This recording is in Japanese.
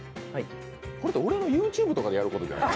これって俺のＹｏｕＴｕｂｅとかでやることじゃない？